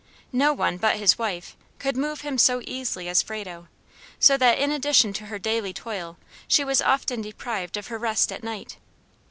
No one, but his wife, could move him so easily as Frado; so that in addition to her daily toil she was often deprived of her rest at night.